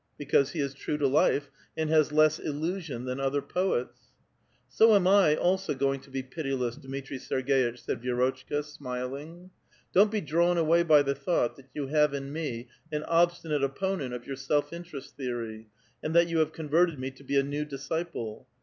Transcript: Because he is true to life, and has less illusion than other poets." " So am I, also, going to be i)itiless, Dmitri Serg6itch," said Vierotchka, smiling. *' Don't be drawn away by the thought that you have in me an obstinate opi)onent of your self interest theory, and that you have converted nic to be a new disciple.